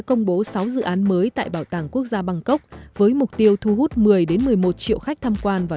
công bố sáu dự án mới tại bảo tàng quốc gia bangkok với mục tiêu thu hút một mươi một mươi một triệu khách tham quan vào